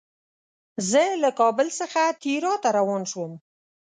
زه له کابل څخه تیراه ته روان شوم.